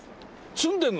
住んでんの？